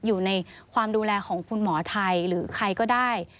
อยู่ในความดูแลของคุณหมอไทยหรือใครก็ได้